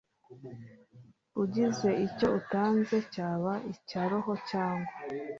ugize icyo atunze cyaba icya roho cyangwa